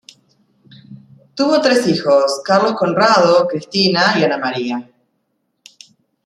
Tuvo tres hijos: Carlos Conrado, Cristina y Ana Maria.